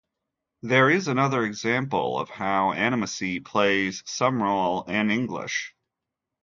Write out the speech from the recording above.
There is another example of how animacy plays some role in English.